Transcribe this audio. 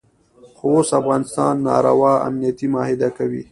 خو اوس افغانستان ناروا امنیتي معاهده کوي.